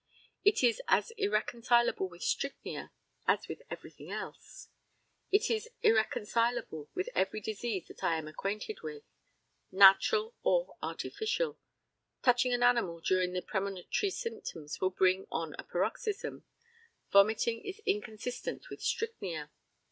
It is as irreconcileable with strychnia as with everything else; it is irreconcileable with every disease that I am acquainted with, natural or artificial. Touching an animal during the premonitory symptoms will bring on a paroxysm. Vomiting is inconsistent with strychnia.